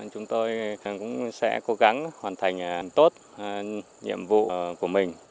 chúng tôi cũng sẽ cố gắng hoàn thành tốt nhiệm vụ của mình